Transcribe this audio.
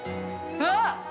うわっ！